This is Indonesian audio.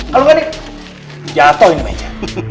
kalau nggak nih jatuh ini meja